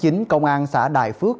công an xã đại phước